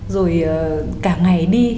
rồi cả ngày đi